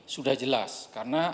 sudah jelas karena